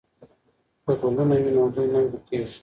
که ګلونه وي نو بوی نه ورکېږي.